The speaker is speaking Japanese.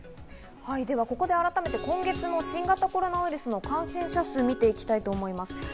では、ここで改めて今月の新型コロナウイルスの感染者数を見ていきたいと思います。